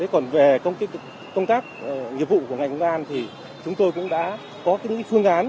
còn về công tác nghiệp vụ của ngành gian thì chúng tôi cũng đã có những phương án